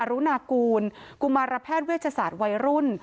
รุนากูลกุมารแพทย์เวชศาสตร์วัยรุ่น